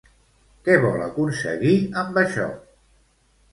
Què vol aconseguir amb això?